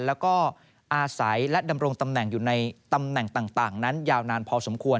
แล้วก็อาศัยและดำรงตำแหน่งอยู่ในตำแหน่งต่างนั้นยาวนานพอสมควร